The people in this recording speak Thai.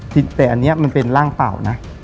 แต่อันนี้มันเป็นร่างเป่านะ